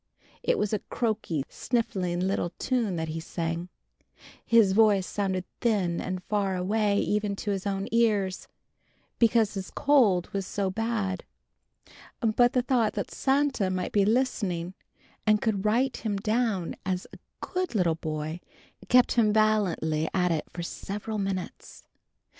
It was a choky, sniffling little tune that he sang. His voice sounded thin and far away even to his own ears, because his cold was so bad. But the thought that Santa might be listening, and would write him down as a good little boy, kept him valiantly at it for several minutes.